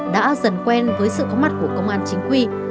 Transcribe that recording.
đã dần quen với sự có mặt của công an chính quy